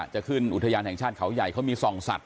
จะขึ้นอุทยานแห่งชาติเขาใหญ่เขามีส่องสัตว